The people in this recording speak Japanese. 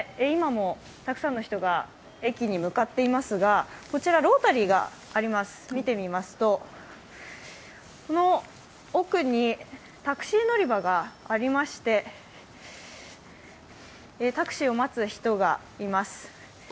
今もたくさんの人がいますが、ロータリーを見てみますと、この奥にタクシー乗り場がありまして、タクシーを待つ人がいます。